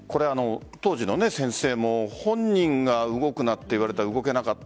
当時の先生も本人が動くなと言われたら動けなかった。